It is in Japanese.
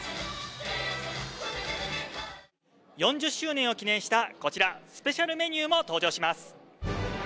４０周年を記念した、こちら、スペシャルメニューも登場します。